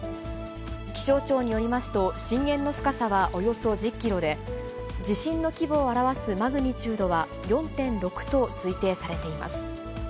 気象庁によりますと、震源の深さはおよそ１０キロで、地震の規模を表すマグニチュードは４．６と推定されています。